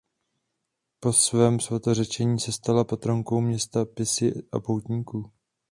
Po svém svatořečení se stala patronkou města Pisy a poutníků.